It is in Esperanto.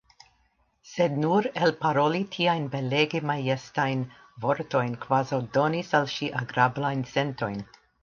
Sed nur elparoli tiajn belege majestajn vortojn kvazaŭ donis al ŝi agrablajn sentojn.